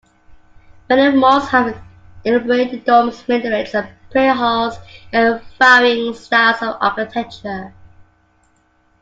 Many mosques have elaborate domes, minarets, and prayer halls, in varying styles of architecture.